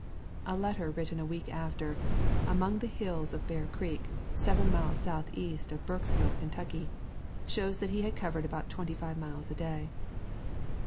A letter written a week later "among the hills of Bear Creek, seven miles southeast of Burkesville, Kentucky," shows that he had covered about twenty five miles a day.